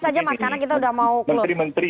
saja mas karena kita udah mau close menteri